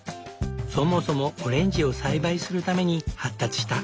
そもそもオレンジを栽培するために発達した。